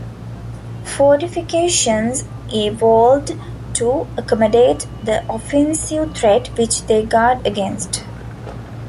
Fortifications evolved to accommodate the offensive threat which they guard against.